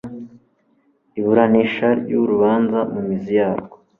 iburanisha ry urubanza mu mizi yarwo